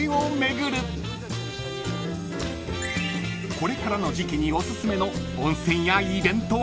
［これからの時季におすすめの］